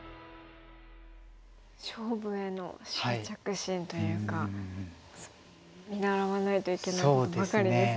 勝負への執着心というか見習わないといけないことばかりですね。